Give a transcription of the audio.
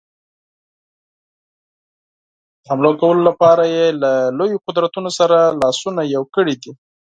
د حملو کولو لپاره یې له لویو قدرتونو سره لاسونه یو کړي دي.